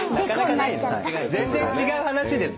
全然違う話です。